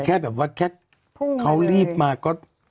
แค่แบบว่าแค่เขารีบมาก็